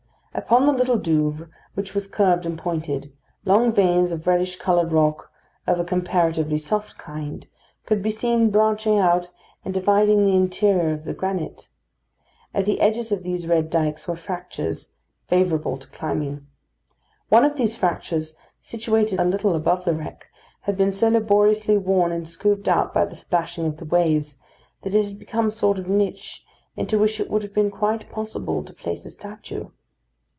Upon the Little Douvre, which was curved and pointed, long veins of reddish coloured rock, of a comparatively soft kind, could be seen branching out and dividing the interior of the granite. At the edges of these red dykes were fractures, favourable to climbing. One of these fractures, situated a little above the wreck, had been so laboriously worn and scooped out by the splashing of the waves, that it had become a sort of niche, in which it would have been quite possible to place a statue.